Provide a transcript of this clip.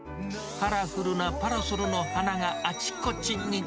カラフルなパラソルの花があちこちに。